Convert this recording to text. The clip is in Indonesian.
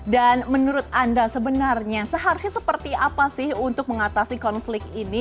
dan menurut anda sebenarnya seharusnya seperti apa sih untuk mengatasi konflik ini